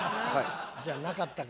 じゃなかったか。